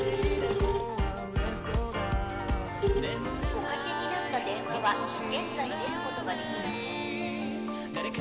「おかけになった電話は現在出る事ができません」